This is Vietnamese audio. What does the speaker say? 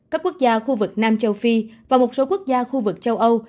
các quốc gia khu vực nam châu phi và một số quốc gia khu vực châu âu